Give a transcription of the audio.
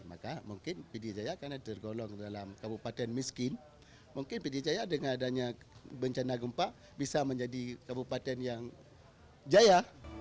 maka mungkin pidijaya karena tergolong dalam kabupaten miskin mungkin pidijaya dengan adanya bencana gempa bisa menjadi kabupaten yang jaya